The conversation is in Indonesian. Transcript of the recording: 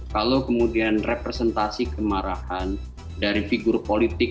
kalau kemudian representasi kemarahan dari figur politik